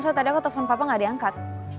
soalnya tadi aku telfon papa gak diangkat